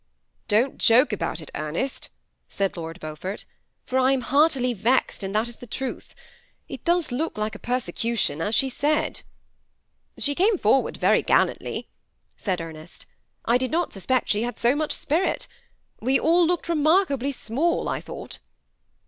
''Don't joke about it, Ernest," said Lord Beaufort, ''for I am heartily vexed, and that is the truth. It does look like persecution, as she said." " She came forward very gallantly," said Ernest. " I did not suspect she had so much spirit. We all looked remarkably small, I thought."